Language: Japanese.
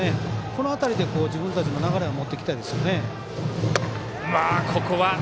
この辺りで、自分たちの流れを持ってきたいですよね。